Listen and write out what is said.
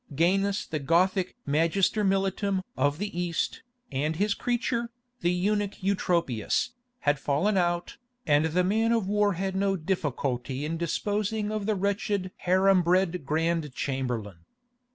Gainas the Gothic Magister militum of the East, and his creature, the eunuch Eutropius, had fallen out, and the man of war had no difficulty in disposing of the wretched harem bred Grand Chamberlain.